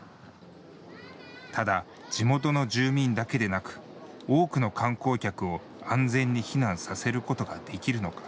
ただ、地元の住民だけでなく多くの観光客を安全に避難させることができるのか。